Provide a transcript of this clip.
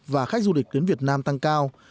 và khách du lịch đến việt nam tăng cao